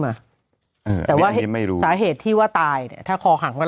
มาเออแต่ว่าไม่รู้สาเหตุที่ว่าตายเนี่ยถ้าคอหักไป